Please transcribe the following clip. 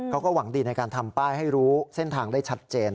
เขาก็หวังดีในการทำป้ายให้รู้เส้นทางได้ชัดเจน